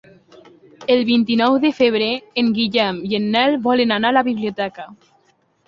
El vint-i-nou de febrer en Guillem i en Nel volen anar a la biblioteca.